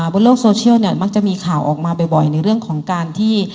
บนโลกโซเชียลเนี่ยมักจะมีข่าวออกมาบ่อยในเรื่องของการที่